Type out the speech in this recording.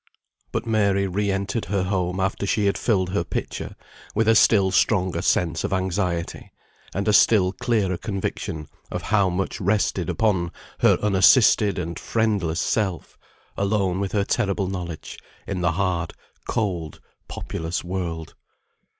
But Mary re entered her home after she had filled her pitcher, with a still stronger sense of anxiety, and a still clearer conviction of how much rested upon her unassisted and friendless self, alone with her terrible knowledge, in the hard, cold, populous world.